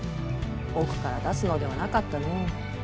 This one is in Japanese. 奥から出すのではなかったの。